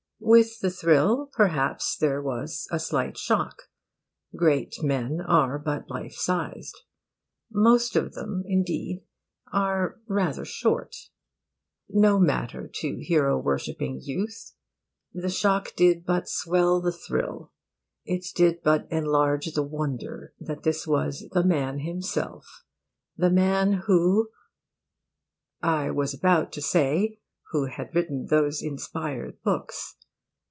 With the thrill, perhaps, there was a slight shock. Great men are but life sized. Most of them, indeed, are rather short. No matter to hero worshipping youth. The shock did but swell the thrill. It did but enlarge the wonder that this was the man himself, the man who I was about to say 'who had written those inspired books.